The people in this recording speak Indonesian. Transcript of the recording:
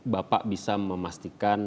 bapak bisa memastikan